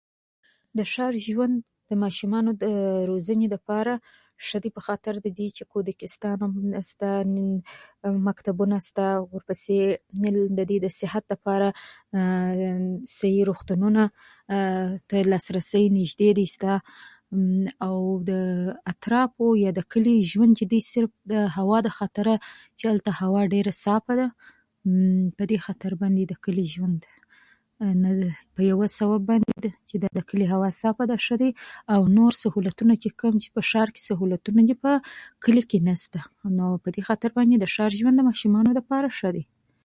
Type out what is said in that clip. څومره چې لګښت کوې بيا عايد دې د لګښت څخه ډير وي